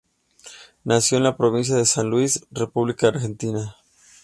Nació en la provincia de San Luis, República Argentina.